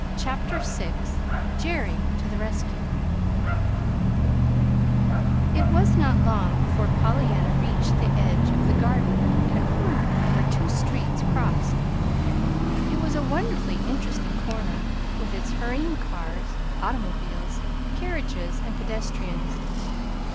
CHAPTER VI JERRY TO THE RESCUE It was not long before Pollyanna reached the edge of the Garden at a corner where two streets crossed. It was a wonderfully interesting corner, with its hurrying cars, automobiles, carriages and pedestrians.